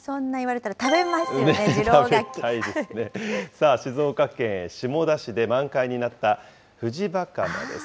さあ、静岡県下田市で満開になったフジバカマです。